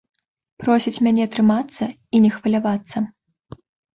Просіць мяне трымацца і не хвалявацца.